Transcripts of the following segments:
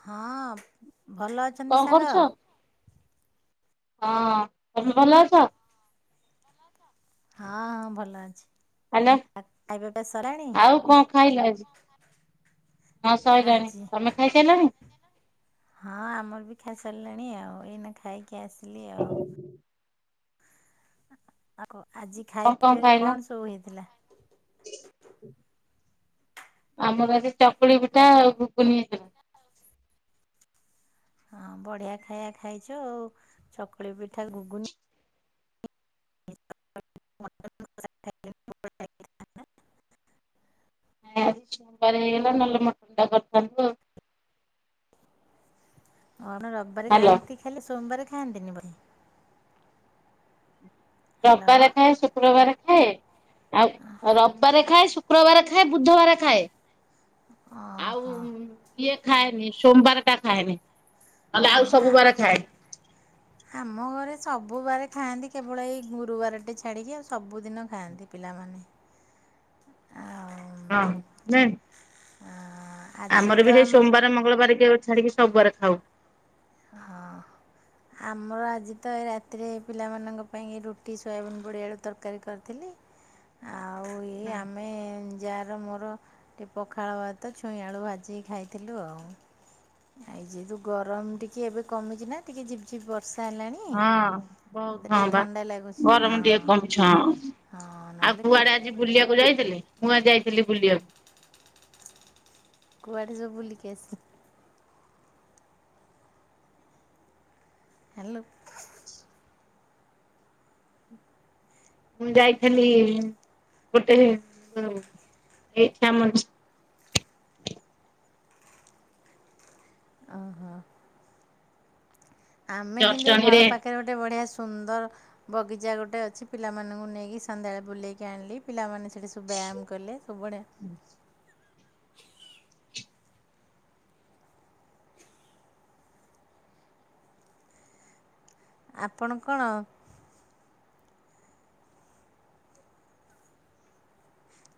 ହଁ-ଅ-ଅ। ଭଲ ଅଛନ୍ତି କଣ ସାଙ୍ଗ? କରୁଛ? ହଁ, ତମେ ଭଲ ଅଛ? ହଁ ହଁ ଭଲ ଅଛି। ହେଲୋ, ଆଉ ଖାଇବା ପିଇବା ସରିଲାଣି ଆଉ କଣ ଖାଇଲ ଆଜି? ହଁ ସଇଲାଣି। ଆଜି ତମେ ଖାଇସାଇଲଣି? ସରିଲାଣି ଆଉ ଏଇନା ଖାଇକି କି ଆସିଲି ଆଉ। ଆ କ ଆଜି କଣ ଖାଇବା ପିଇବାରେ ଖାଇଲ? କଣ ସବୁ ହେଇଥିଲା? ଆମର ଆଜି ଚକୁଳି ପିଠା ଆଉ ଘୁଗୁନି। ହେଇଥିଲା। ହଁ ବଢିଆ ଖାଇବା ଖାଇଛ ଆଉ ଚକୁଳି ପିଠା, ଘୁଗୁନି। [inaudible] ଆଜି ସବାର ହେଇଗଲା ନ ହେଲେ ମଟ ଟା କରିଥାନ୍ତୁ। ଆମର ରବିବାର ହାଲୋ ଖାଆନ୍ତି ଖାଲି ସୋମବାରେ ଖାଆନ୍ତିନି ବୋଲି ରବିବାର ଖାଏ ଶୁକ୍ରବାର ଖାଏ ଆଉ ଆଉ ରବିବାରେ ଖାଏ ଶୁ ଶୁକ୍ରବାର ଖାଏ ବୁଦ୍ଧବାର ଖାଏ। ଓହୋ ଆଉ-ଉ-ଉ ଇଏ ଖାଏନି ସୋମବାର ଟା ଖାଏନି। ନଲେ ଆଉ ହଁ ଆ ସବୁ ବାର ଖାଏ। ଆମ ଘରେ ସବୁ ବାରେ ଖାଆନ୍ତି କେବଳ ଏଇ ଗୁରୁବାରଟେ ଛାଡିକି ଆଉ ସବୁଦିନ ଖାଆନ୍ତି ପିଲାମାନେ। ଆଉ ହଁ ଜାଣି ହଁ। ଆଜି ଆମର ତ ବି ସେଇ ସୋମବାର ମଙ୍ଗଳବାର କି ଛାଡିକି ସବୁବାର ଖାଉ। ହଁ ଆମର ଆଜି ତ ଏଇ ରାତିରେ ପିଲାମାନଙ୍କ ପାଇଁ ରୁଟି ସୋୟାବିନ୍ ବଡ଼ି ଆଳୁ ତରକାରୀ କରିଥିଲି। ହୁଁ। ଜା ର ମୋର ଟିକିଏ ପଖାଳ ଭାତ ଛୁଇଁ ଆଳୁ ଭାଜିକି ଖାଇଥିଲୁ ଆଉ। ଆଇ ଯେହେତୁ ଗରମ ଟିକେ ଏବେ କମିଚି ନା ଟିକେ ଝିପ୍ ଝିପ୍ ବ ହଁ ବହୁତ ହଁ ବା ଥଣ୍ଡା ଲାଗୁଛି ହଁ। ଗରମ ଟିକେ କମିଛି ହଁ ହଁ ଆଉ ନହେଲେ କେ କୁଆଡେ ଆଜି ବୁଲିବାକୁ ଯାଇଥିଲେ? ମୁଁ ଆଜି ଯାଇଥିଲି ବୁଲିବାକୁ। କୁଆଡ଼େ ସବୁ ବୁଲିକି ଆସି ହାଲୋ। [inaudible] ମୁଁ ଯାଇଥିଲି ଗୋଟେ ଏଇଠି ଆମ ଓ ହୋ। ଆମେ କିନ୍ତୁ ଏଇ ଜଟଣୀରେ ଘର ପାଖରେ ଗୋଟେ ବଢିଆ ସୁନ୍ଦର ବଗିଚା ଗୋଟେ ଅଛି ପିଲାମାନଙ୍କୁ ନେଇକି ସନ୍ଧ୍ୟାବେଳେ ବୁଲେଇକି ଆଣିଲି ପିଲାମାନେ ସେଠି ସବୁ ବ୍ୟାମ୍ କଲେ। ସବୁ ଆଡେ [inaudible] ଆପଣ କଣ?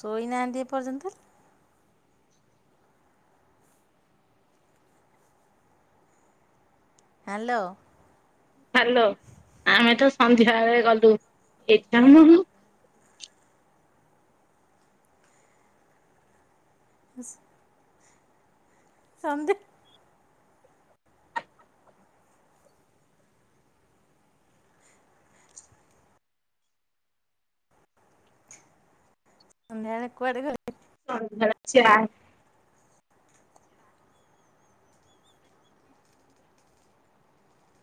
ଶୋଇନାହାନ୍ତି ଏପର୍ଯ୍ୟନ୍ତ? ହାଲୋ। ହାଲୋ ଆମେ ତ ସନ୍ଧ୍ୟା ବଳେ ଗଲୁ। [unintelligible] [inaudible] ସନ୍ଦିପ୍ ସନ୍ଧ୍ୟାବେଳେ କୁଆଡେ ଖେଳି [unintelligible]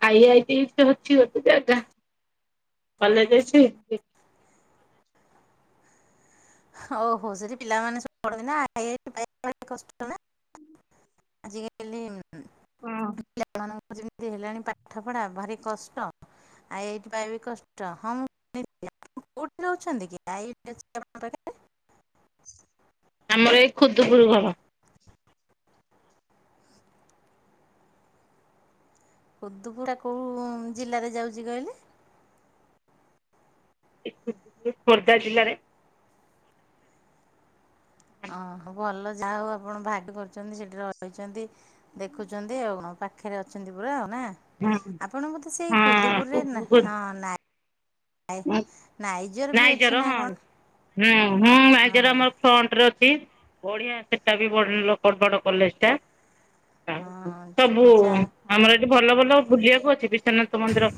ଆଇଆଇଟି ତ ଅଛି ଗୋଟେ ଜାଗା କଲେଜ ଅଛି। ଓ ହୋ ସେଠି ପିଲାମାନେ ସବୁ ପଢନ୍ତି ନା [unintelligible] ଆଜି କାଲି। [unintelligible] ମୁଁ ଯେମିତି ହେଲାଣି ପାଠ ପଢା ଭାରି କଷ୍ଟ ଆଇ ଆଇ ଟି ପାଇଁ ବି କଷ୍ଟ ହଁ ମୁଁ [unintelligible] କୋଉଠି ରହୁଛନ୍ତି କି [unintelligible] ଆମର ଏଇ ଖୁଦ୍ଦୁପୁର ଘର। ଖୁଡ଼ୁପୁରା ଟା କୋଉ ଜିଲ୍ଲାରେ ଯାଉଛି କହିଲେ? ଏଇ ଖୋର୍ଦ୍ଧା ଜିଲ୍ଲାରେ। ଓହୋ ଭଲ ଯାହା ହଉ ଆପଣ ଭାଗ କରୁଛନ୍ତି ସେଠି ରହିଚନ୍ତି ଦେଖୁଚନ୍ତି ଆଉ କଣ ପାଖରେ ଅଛନ୍ତି ପୁରା ଆଉ। ନା। ଆପଣ ବୋଧେ ସେଇ ଖୁଦୁପୁରରେ ହୁଁ ନା ହୁଁ ହଁ ନାଇ ନାଇଜର ବି ଅଛି ନାଇଜର ନା ହଁ କଣ? ହୁଁ ହଁ ନାଇଜର ଆମର ଫ୍ରଣ୍ଟରେ ଅ ଛି ବଢିଆ ସେଟା ବି ଭଲ ବଡ କଲେଜ ଟା। ଆ ହଁ ସବୁ ଯା ଆମର ଏଠି। ଭଲ ଭଲ ବୁଲିବାକୁ ଅଛି ବିଶ୍ଵନାଥ ମନ୍ଦିର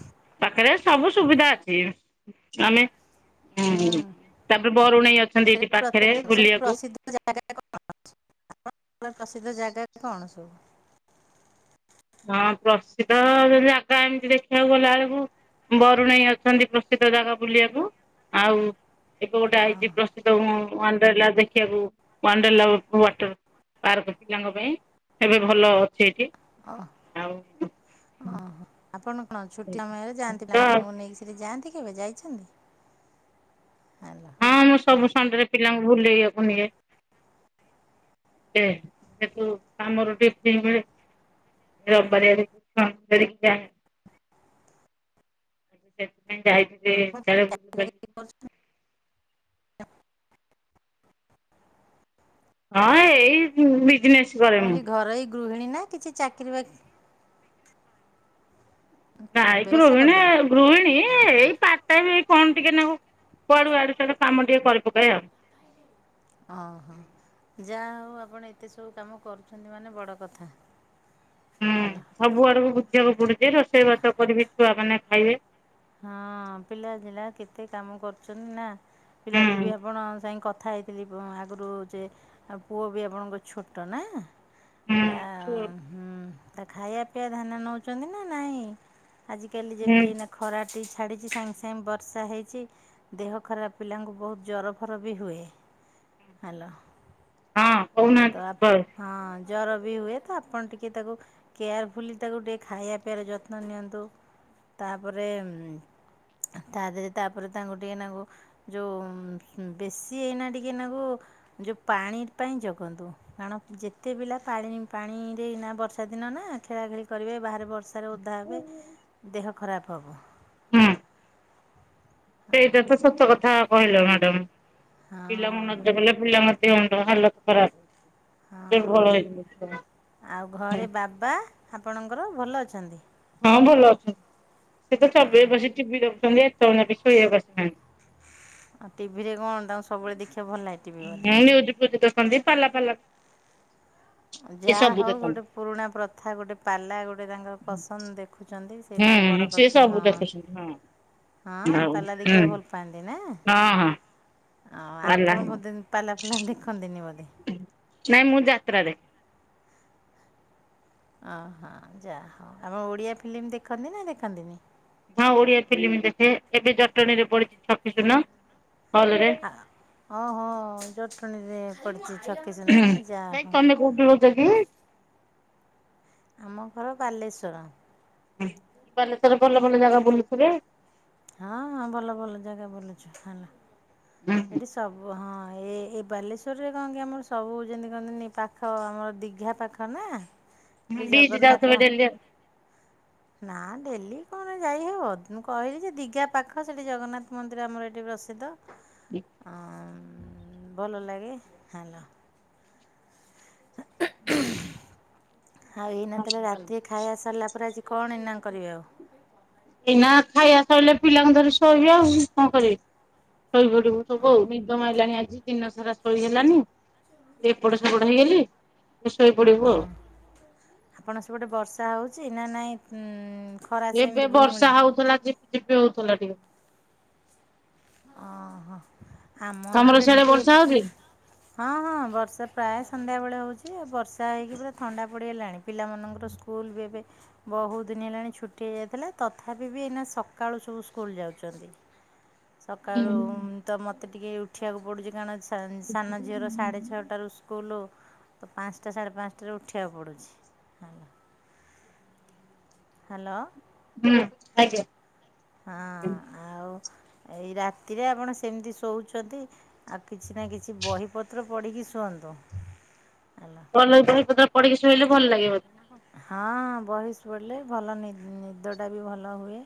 ପାଖରେ ସବୁ ସୁବିଧା ଅଛି। ଆମେ ହୁଁ ତାପରେ ବରୁଣେଇ ଅଛନ୍ତି ଏଠି ସେଠି ପାଖରେ ପ୍ରେକ [inaudible] ସେଠି ବୁଲିବାକୁ ପ୍ରସିଦ୍ଧ ଜାଗା କଣ ଅଛି? ପ୍ରସିଦ୍ଧ ଜାଗାରେ କଣ ସବୁ? ହଁ ପ୍ରସିଦ୍ଧ ଜାଗା ଏମିତି ଦେଖିବାକୁ ଗଲା ବେଳକୁ ବରୁଣେଇ ଅଛନ୍ତି ପ୍ରସିଦ୍ଧ ଜାଗା ବୁଲିବାକୁ ଆଉ। ଏବେ ଗୋଟେ ଆଇଚି ଓହୋ ପ୍ରସିଦ୍ଧ କଣ ଗୋ ୱାଣ୍ଡରଲା ଦେଖିବାକୁ ୱାଣ୍ଡରଲା ୱାଟର ପାର୍କ ପିଲାଙ୍କ ପାଇଁ ଏବେ ଭଲ ଅଛି ଏଠି ହ ଆଉ ଓୋ। ଆପଣ କଣ ଛୁଟି ସମୟରେ ଯାଆନ୍ତି ତ ପିଲାମାନଙ୍କୁ ନେଇକି ସେଠି ଯାଆନ୍ତି। ଯାଇଛନ୍ତି। ହ୍ୟାଲୋ ହଁ ମୁଁ ସବୁ ସନଡେରେ ପିଲାଙ୍କୁ ବୁଲେଇବାକୁ ନିଏ। ଯେ ହେତୁ ଆମର ରବିବାରିଆ ଦେଖିକି ଯାଇଥିଲେ। ହ [inaudible] ହଁ ଏଇ ବିଜନେସ୍ କରେ ମୁଁ ହେଲି ଘରେଇ ଗୃହିଣୀ ନାଁ କିଛି ଚାକିରୀ ବାକିରି ଓ ନାଇ କ ବ୍ୟବସାୟ ରୋହିଣୀ କରୁଛନ୍ତି? ଗୃହିଣୀ ହଁ ଏଇ ହଁ। ପାର୍ଟ ଟାଇମ୍ ବି କଣ ଟିକେ ନାଁକୁ କୁଆଡୁ ଆଡୁ ସିଆଡୁ କାମ ଟିକେ କରି ପକାଏ ଆଉ। ଅ ହୋ। ଯାହା ହେଉ ଆପଣ ଏତେ ସବୁ କାମ କରୁଛନ୍ତି ମାନେ ବଡ଼ କଥା ହୁଁ ହେଲା ସବୁ ଆଡକୁ ବୁଝିବାକୁ ପଡୁଛି ରୋଷେଇବାସ କରିବି ଛୁଆ ମାନେ ଖାଇବେ ହଁ ପିଲାଜିଲା କେତେ କାମ କରୁଛନ୍ତି ନା। ହୁଁ ପିଲାଟି ବି ଆପଣ ଯାଇ କଥା ହେଇ ଖ ଆଗରୁ ଯେ ପୁଅ ବି ଆପଣଙ୍କ ଛୋଟ ନା। ହୁଁ ତା ଛୁ ହୁଁ ତା ଖାଇବା ର ପିଆ ଧାନ ନେଉଛନ୍ତି ନା ନାଇଁ? ଆଜିକାଲି ହୁଁ ଯେମିତି ଏ ନାତି କି ଛାଡିଛି ସାଙ୍ଗେ ସାଙ୍ଗେ ବର୍ଷା ହେଇଛି ଦେହ ଖରାପ ପିଲାଙ୍କୁ ବହୁତ ଜର ଫର୍ ବି ହୁଏ ହାଲୋ। ହୁଁ। ତ ଆ ହଁ ଜର ବି ହୁଏ ତ ଆପଣ ଟିକେ ତାକୁ କେୟାରଫୁଲି ତାକୁ ଟିକେ ଖାଇବା ପିଇବାର ଯତ୍ନ ନିଅନ୍ତୁ ତାପରେ ତା ଦେହରେ ତାପରେ ତାଙ୍କୁ ଟିକେ ନାକୁ ଯେଉଁ ବେଶୀ ଏଇନା ଟିକେନାକୁ ଯେଉଁ ପାଣି ପାଇଁ ଜଗ ରନ୍ତୁ କାରଣ ଯେତେ ପିଲା ପାଣି ପାଣିରେ ନା ବର୍ଷା ଦିନ ନା ଖେଳାଖେଳି କରିବେ ବାହାରେ ବର୍ଷା ବର୍ଷା ରେ ଓଦା ହେବେ ଦେହ ଖରାପ ହେବ। ହୁଁ। ସେଇଟା ତ ସତ କଥା। କହିଲ ମ୍ୟାଡ଼ମ୍। ପିଲା ମନ ହଁ ଇଚ୍ଛା କଲେ ପିଲାଙ୍କ ଦେହ ମୁଣ୍ଟ ହାଲତ ଖରାପେ। ହଁ ଭଲ ହେଇଁ [inaudible] ଙ୍କର ଭଲ ଅଛନ୍ତି? ହଁ ଭଲ ଅଛନ୍ତି। ସେ ତ ହଁ ସବୁବେଳେ ବସିକି ଟିଭି ଏତବେଳ ଜାଙ୍କ ଶୋଇ ବାକୁ ଆସିବା କୁଆସି ନାହାନ୍ତି। ଆଉ ଟିଭି ରେ କଣ ତାଙ୍କୁ ସବୁବେଳେ ଦେଖି ହଁ ନ୍ୟୁଜ ପୁଜ ଦେଖନ୍ତି ପାଲା ଫାଲା ଏ ଯାହା ସବୁ ହଉ ଦେଖନ୍ତି। ଗୋଟେ ପୁରୁଣା ପ୍ରଥା ଗୋଟେ ପାଲା ଗୋଟେ ତାଙ୍କର ପସନ୍ଦ ଦେଖୁଛନ୍ତି। ସେଇଟା ଗୋଟେ ହୁଁ ବଡ଼ ସିଏ କଥା ସବୁ ହଁ ଦେଖୁଛନ୍ତି ହଁ ହଁ ହଉ ପାଲା ହୁଁ ଦେଖିବାକୁ ଭଲ ପାଆନ୍ତି ନା? ହଁ ହଁ ଆ ପାଲା ଆପଣ ବୋଧେ ପାଲା ଫାଲା ଦେଖନ୍ତିନି ବୋଧେ? ନାଇଁ ମୁଁ ଯାତ୍ରା ଦେଖେ। ଓହୋ ଯାହଉ ଆମ ଓଡିଆ ଫିଲ୍ମ ଦେଖନ୍ତି ନା ଦେଖନ୍ତିନି? ହଁ ଓଡିଆ ଫିଲ୍ମ ଦେଖେ। ଏବେ ଜଟଣୀରେ ପଡିଛି କି ଛକି ଶୂନ। ହଲ ରେ। ଓହୋ ଜଟଣୀରେ ପଡିଛି। ନାଇଁ ତମେ କୋଉଠି ରହୁଛ କି? ଆମ ଘର ବାଲେଶ୍ଵର। ବାଲେଶ୍ଵର ଭଲ ଭଲ ଜାଗା ବୁଲୁଥିବେ? ହଁ ହଁ ଭଲ ଭଲ ଜାଗା ବୁଲୁଛୁ ହେଲା। ଏଇଠି ସବୁ ହଁ ଏଇ ଏଇ ବାଲେଶ୍ୱରରେ କଣ କି ଆମର ସବୁ ଯେମିତି କହନ୍ତିନି ପାଖ ଆମର ଦିଘା ପାଖ ନା ଏଠି ବ୍ରିଯିଯାଉ ଜଗନ୍ନାଥ ଥିବେ ମ ଡେଲି ଆଉ। ନା ଡେଲି କଣ ଯାଇହେବ ମୁଁ କହିଲି ଯେ ଦିଘା ପାଖ ସେଠି ଜଗନ୍ନାଥ ମନ୍ଦିର ଆମର ଏଠି ପ୍ରସିଦ୍ଧ। ହଁ ଭଲ ଲାଗେ। ହାଲୋ। ଆଉ ଏଇ ନ ତାହେଲେ ରାତିରେ ଖାଇବା ସରିଲା ପରେ ଆଜି କଣ ଇନା କରିବେ ଆଉ? ଏଇନା ଖାଇବା ସଇଲେ ପିଲାଙ୍କୁ ଧରି ଶୋଇବି ଆଉ କଣ କରିବି। ଶୋଇପଡିବୁ ସବୁ ଆଉ ନିଦ ମାଇଲାଣି ଆଜି ଦିନ ସାରା ଶୋଇହେଲାନି ଏପଟ ସେପଡ ହେଇଗଲି। ଶୋଇ ପଡିବୁ ହଁ ଆଉ। ଆପଣ ସେଫଟେ ବର୍ଷା ହଉଛି ନା ନାଇଁ? ହୁଁ। ଏବେ ବର୍ଷା ହଉଥିଲା ଝିପିଝିପି ହଉଥିଲା ଟିକେ। ଓହୋ ଆମ ତମର ଏପଟେ ସିଆଡେ ଟିକେ ବର୍ଷା ହଉଛି? ହଁ ହଁ ବର୍ଷା ପ୍ରାୟ ସନ୍ଧ୍ୟାବେଳେ ହଉଛି। ସ ବର୍ଷା ହୋଇଇକି ପୁରା ଥଣ୍ଡା ପଡ଼ିଗଲାଣି ପିଲାମାନଙ୍କର ସ୍କୁଲ ବି ଏବେ ବହୁତ ଦିନ ହେଲାଣି ଛୁଟି ହେଇଯାଇଥିଲା ତଥାପି ବି ଏଇନା ସକାଳୁ ସବୁ ସ୍କୁଲ ଯାଉଛନ୍ତି। ସକାଳୁ ହୁଁ ତ ମୋତେ ଏତେ ଟିକିଏ ଉଠିବାକୁ ପଡ଼ୁଛି। ସାନ ଝିଅର ସାଢ଼େ ଛଅଟାରୁ ସ୍କୁଲ୍ ତ ପାଞ୍ଚଟା ସାଢ଼େ ପାଞ୍ଚଟାରୁ ଉଠିବାକୁ ପଡ଼ୁଛି ହାଁ। ହ୍ୟାଲୋ। ହୁଁ ଆଜ୍ଞା। ହଁ ଆଉ। ଏଇ ରାତିରେ ଆପଣ ସେମିତି ଶୋଉଛନ୍ତି। ଆଉ କିଛି ନା କିଛି ବହିପତ୍ର ପଡ଼ିକି ଶୁଅନ୍ତୁ। ହ୍ୟାଲୋ ଭଲ ବହି ପତ୍ର ପଢିକି ଶୋଇଲେ ଭଲ ଲାଗେ ମତେ। ହଁ। ବହିସ ପଡ଼ିଲେ ଭଲ ନି ନିଦଟା ବି ଭଲ ହୁଏ।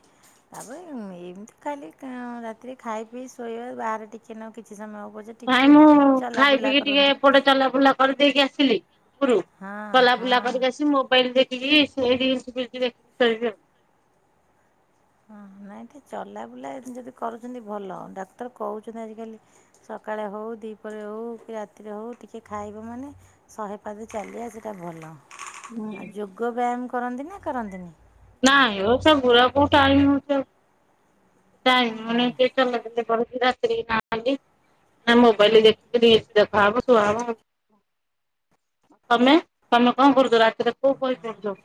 ତାପରେ ଏମିତି ଖାଲି ଆଁ ରାତିରେ ଖାଇ ପିଇ ଶୋଇବା ବାହାରେ ଟିକେଏ ନାକୁ କିଛି ସମୟ ପଛେ ନାଇଁ ଟିକେ ମୁଁ ଖାଇ ଚଲାବୁଲା ପିଇକି ଟିକେ କରନ୍ତୁ ଏପଟେ ଚଲା ବୁଲା କରିଦେଇକି ଆସିଲି। ଓପୁରୁ ହଁ ଚଲା ହଁ ବୁଲା କରିକ ଆସି ମୋବାଇଲ ଦେଖ ଖିକି ସେଇଠି [unintelligible] ହଁ ନାଇଁ ଟିକେ ଚଲାବୁଲା ଯଦି କରୁଛନ୍ତି ଭଲ ଆଉ। ଡାକ୍ତର କହୁଛନ୍ତି ଆଜିକାଲି ସକାଳେ ହଉ ଦିପରେ ହଉ କି ରାତିରେ ହଉ ଟିକେ ଖାଇବ ମାନେ ଶହେ ପାଦ ଚାଲିବା ସେଇଟା ଭଲ। ଆ ଯୋଗ ବ୍ୟାୟାମ କରନ୍ତି ନା କରନ୍ତିନି। ନା ଇଓ ସେଗୁରା କୋଉଠୁ ଆଣିବି ମୁଁ। ହଁ [inaudible] ଟାଇମ ମାନେ [unintelligible] ରାତିରେ ନାହଲେ ନା ମୋବାଇଲରେ ଦେଖିକି ଦେଖାହବ ଶୁଆବ। ତମେ ତମେ କଣ କରୁଛ ରାତିରେ କୋଉ ବହି ପଢ଼ୁଚ।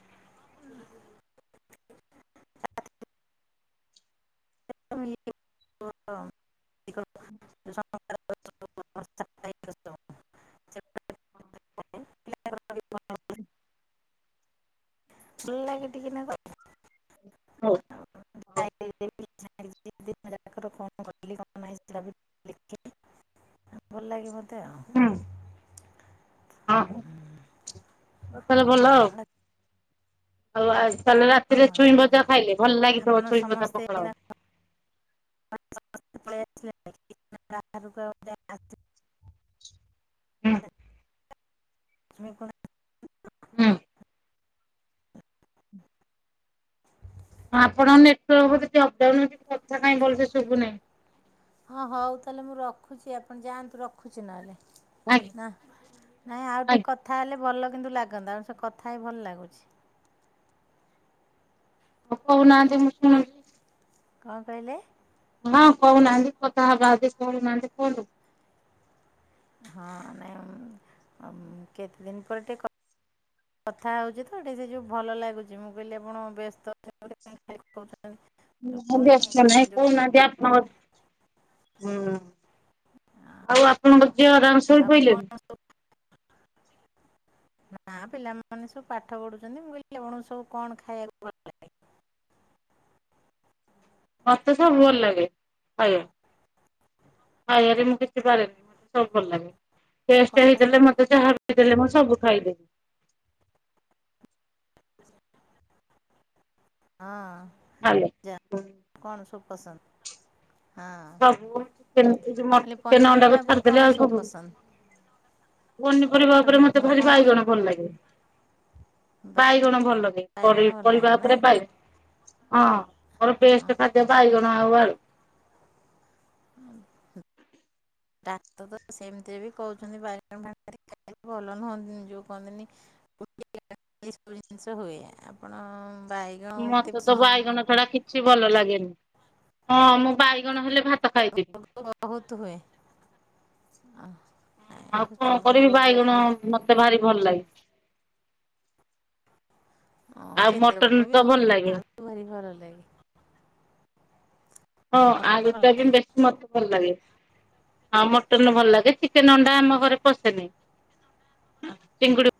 [unintelligible] [unintelligible] ଭଲ ନଗେ ଟିକେ ନାଗୁ। ହଉ। ନାଇ [unintelligible] [unintelligible] ଭଲ ଲାଗେ ମୋତେ। ମତେ ହୁଁ ହଁ ଉଁ ହଁ ଆ ହଉ ଆ ତାହେଲେ ରାତିରେ ଛୁଇଁ ଭଜା ଖାଇଲେ ଭଲ ଲାଗିଥିବ ଆପଣ ଛୁଇଁ ଭଜା ସମସ୍ତେ ପଖାଳ ଏଇନା ଭାତ। [unintelligible] ହଁ। [unintelligible] ହୁଁ। ଆପଣଙ୍କ [unintelligible] କଥା କାଇଁ ଭଲସେ ଶୁଭୁନହିଁ। ହଁ ହଉ ତାହେଲେ ମୁଁ ରଖୁଛି ଆପଣ ଯାଆନ୍ତୁ ରଖୁଛି ନହେଲେ। ଆଜ୍ଞା ନା ନାଇଁ ଆଉ ଟିକେ ଆଜ୍ଞା କଥା ହେଲେ ଭଲ କିନ୍ତୁ ଲାଗନ୍ତା, ଆପଣଙ୍କ ସହ କଥା ହେଇ ଭଲ ଲାଗୁଛି। କଉନାହାନ୍ତି ମୁଁ ଶୁଣୁଛି। କ'ଣ କହିଲେ। ହଁ କହୁନାହାନ୍ତି, କଥା ହବା ଆଜି କହୁନାହାନ୍ତି କୁହନ୍ତୁ। ହଁ ନାଇଁ ଆଁ କେତେ ଦିନ ପରେ ଟିକେ କ ଥା ହେଉଛି ତ ଟିକେ ସେ ଯେଉଁ ଭଲ ଲାଗୁଛି। ମୁଁ କହିଲି ଆପଣ ବ୍ୟସ୍ତ [unintelligible] ଅ ପୁଣି ସେ ନାାଇଁ ଯୋଉ କହୁନା ଆପ ନ ହୁଁ [inaudible] ଆଉ ଆପଣଙ୍କୁ ଯେଅ ଆରାମ ସେ ଆଉ ସୋଇପହିଲେଣି କଣ ସବୁ [inaudible] ନା ପିଲାମାନେ ସବୁ ପାଠ ପଢୁଛନ୍ତି ମୁଁ କହିଲିଣ ସବୁ କଣ ଖାଇବାକୁ ଭଲ ପାଇଁ ବେ [unintelligible] ମତେ ସବୁ ଭଲ ଲାଗେ ଆଜ୍ଞା, ଖାଇବାରେ ମୁଁ ବରେନି ମତେ ସବୁ ଭୁଲ ଲାଗେ, କହିଲେ କେଷ୍ଟା ହେଇଥିଗଲେ ମତ୍ [inaudible] ସେ ଯାହା ରୁଟି ଦେଲେ ମୁଁ ସବୁ ଖାଇଦେଇ [unintelligible] ଆ ହାଲୋ ପସନ୍ଦ ହଁ ମୁଁ ସବୁ ଚିକେନ ମଟେନ୍ଚି କହିଲି ଚିକେନ ପନିପରିବା ଅଣ୍ଡାକୁ ଉପରେ ଛାଡିଦେଲେ କଣ ଆଉ ସବୁ ପସନ୍ଦ ପନିପରିବା ମଟନ ଉପରେ ମତେ ମ- ଭାରି କଣ ବାଇଗଣ ଭଲ ଲାଗେ ବା- ବାଇ ଗଣ ଭଲରେ ବାଇଗଣ ଭଲ ପରିବା ଲାଗେ ନା ଉପରେ ବାଇଗଣ ହଁ ହରେ ଟେଷ୍ଟ୍ ଖାଦ୍ୟ ପାଇଗଲୁ ଆୱରି, [inaudible] [unintelligible] ଡାକ୍ତର ତ ସେମିତିରେ ବି କହୁଛନ୍ତି [inaudible] ଭଲ ନୁହନ୍ତିନି ଯୋଉ କହନ୍ତିନି [inaudible] ସବୁ ଜିନିଷ ହୁଏ ଆପଣ ବାଇଗଣ ଏତେ ମତେ ତ ପସନ୍ଦ ବାଇଗଣ ଛଡା କିଛି ବ୍ ଭଲ ଲାଗେନି ହଁ ମୁଁ ବାଇଗଣ ହେଲେ ଭାତ ଖାଇଦେବି। [inaudible] କଣ ହତୁ ହୁଏ? ଆ ହ ଆଉ କଣ କରିବି ବାଇଗଣ ମତେ ଭାରି ଭଲ ଲାଗେ [unintelligible] ହଁ ଆଉ କେତେ ମଟନ ଲୋକ ତ ବି ଭଲ ଅଛନ୍ତି [inaudible] ଲାଗେ। ମା ଭାରି ଭଲ ଲାଗେ, ହଁ ଆଉ ଆଳୁ ମଟନ ଭଲ ପାକେଟ୍ ଲାଗେ। ବେଶୀ ମତେ ଭଲ ଲାଗେ ହଁ ମଟନ୍ ଭଲ ଲାଗେ ଚିକେନ୍ ଅଣ୍ଡା ଆମ ଘରେ ପଶେନି। ହଁ ଚିଙ୍ଗୁଡି [inaudible]